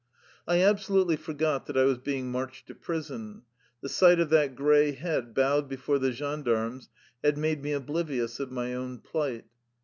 I absolutely forgot that I was being marched to prison. The sight of that gray head bowed before the gendarmes had made me oblivious of my own plight.